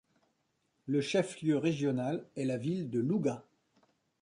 Le chef-lieu régional est la ville de Louga.